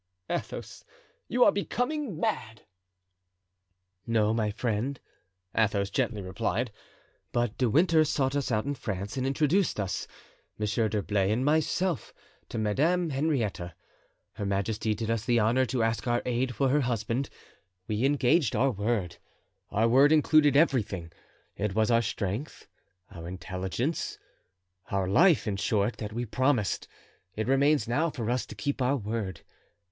"Athos, you are becoming mad." "No, my friend," Athos gently replied, "but De Winter sought us out in France and introduced us, Monsieur d'Herblay and myself, to Madame Henrietta. Her majesty did us the honor to ask our aid for her husband. We engaged our word; our word included everything. It was our strength, our intelligence, our life, in short, that we promised. It remains now for us to keep our word.